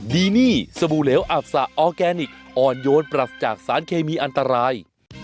ดีนี่สบู่เหลวอับสะออร์แกนิคอ่อนโยนปรัสจากสารเคมีอันตราย